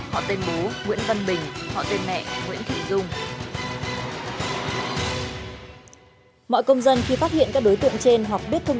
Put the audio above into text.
họ tên mẹ thạch thị on